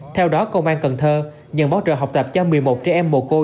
theo đó công an tp cn nhận bóng trợ học tập cho một mươi một trẻ em mồ côi